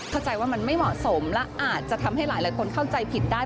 เข้าใจว่ามันไม่เหมาะสมและอาจจะทำให้หลายคนเข้าใจผิดได้